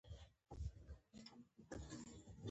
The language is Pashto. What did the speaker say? دوی د جي شل غونډې کوربه توب وکړ.